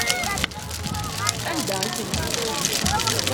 Anda i tent-yettu?